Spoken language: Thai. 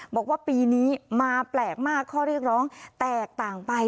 บอกว่าปีนี้มาแปลกมากข้อเรียกร้องแตกต่างไป